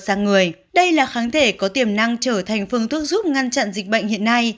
sang người đây là kháng thể có tiềm năng trở thành phương thức giúp ngăn chặn dịch bệnh hiện nay